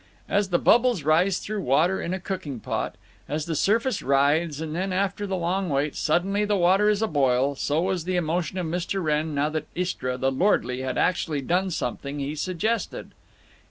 As the bubbles rise through water in a cooking pot, as the surface writhes, and then, after the long wait, suddenly the water is aboil, so was the emotion of Mr. Wrenn now that Istra, the lordly, had actually done something he suggested.